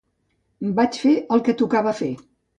Vaig fer el que tocava fer.